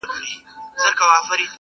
د آسمان له تشه لاسه پرېوتلې پیمانه یم!!